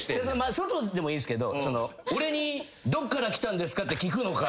外でもいいんすけど俺に「どっから来たんですか？」って聞くのか？